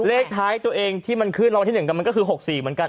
เลขท้ายตัวเองที่มันขึ้นรวมที่๑ก็คือ๖๔เหมือนกัน